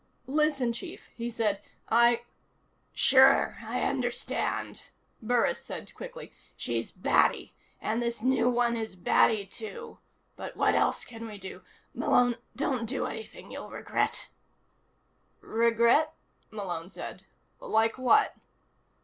"Listen, Chief," he said. "I " "Sure, I understand," Burris said quickly. "She's batty. And this new one is batty, too. But what else can we do? Malone, don't do anything you'll regret." "Regret?" Malone said. "Like what?"